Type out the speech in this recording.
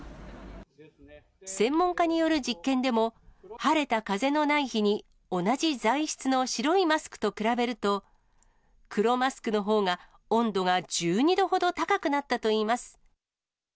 専門家による実験でも、晴れた風のない日に、同じ材質の白いマスクと比べると、黒マスクのほうが温度が１２度ほど高くなったといいます。